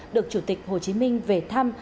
được chủ tịch hồ chí minh về thăm